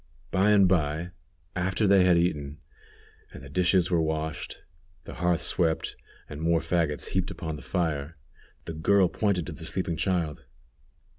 By and by, after they had eaten, and the dishes were washed, the hearth swept, and more fagots heaped upon the fire, the girl pointed to the sleeping child.